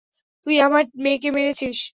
তুই আমার মেয়েকে মেরেছিস।